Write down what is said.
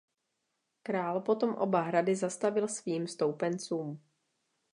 Král potom oba hrady zastavil svým stoupencům.